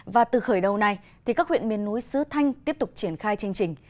và từ khởi đầu này các huyện miền núi sứ thanh tiếp tục triển khai chương trình